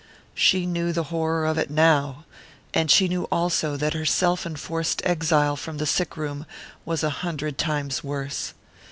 She knew the horror of it now and she knew also that her self enforced exile from the sick room was a hundred times worse.